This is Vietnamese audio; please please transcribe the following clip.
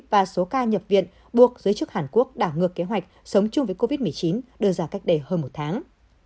và số ca nhập viện buộc giới chức hàn quốc đảo ngược kế hoạch sống chung với covid một mươi chín đưa ra cách đây hơn một tháng